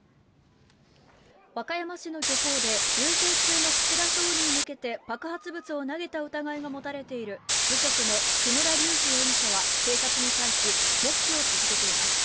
和歌山市の漁港で遊説中の岸田総理に向けて爆発物を投げた疑いが持たれている無職の木村隆二容疑者は警察に対し黙秘を続けています。